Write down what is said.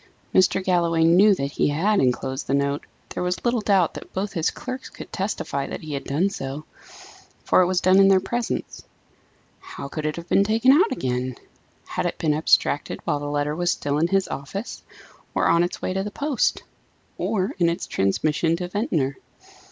Mr. Galloway knew that he had enclosed the note; there was little doubt that both his clerks could testify that he had done so, for it was done in their presence. How could it have been taken out again? Had it been abstracted while the letter was still in his office? or on its way to the post? or in its transmission to Ventnor?